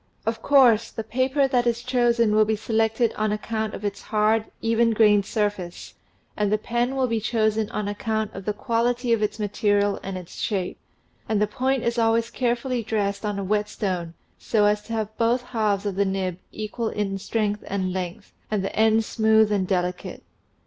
Of course, the paper that is chosen will be selected on account of its hard, even grained surface, and the pen will be chosen on account of the quality of its material and its shape, and the point is always carefully dressed on a whetstone so as to have both halves of the nib equal in strength and length, and the ends smooth and delicate.